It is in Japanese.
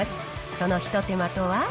その一手間とは？